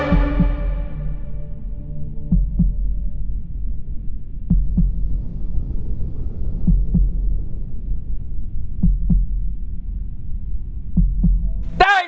ร้องได้ไข่ล้าง